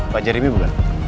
pak jeremy bukan